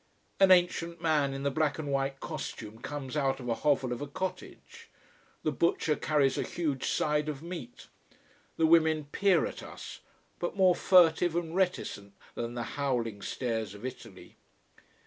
An ancient man in the black and white costume comes out of a hovel of a cottage. The butcher carries a huge side of meat. The women peer at us but more furtive and reticent than the howling stares of Italy.